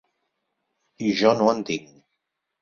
I jo no en tinc.